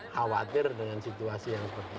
khawatir dengan situasi yang seperti ini